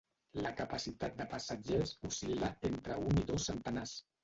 La capacitat de passatgers oscil·la entre un i dos centenars.